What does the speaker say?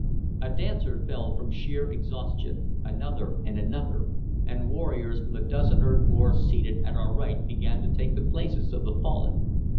A dancer fell from sheer exhaustion, another and another, and warriors from the dozen or more seated at our right began to take the places of the fallen.